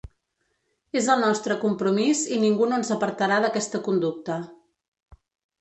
És el nostre compromís i ningú no ens apartarà d’aquesta conducta.